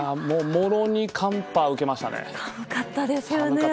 もろに寒波を受けましたね。